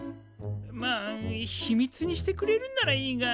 まあ秘密にしてくれるんならいいが。